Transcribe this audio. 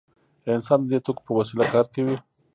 انسان د دې توکو په وسیله کار کوي.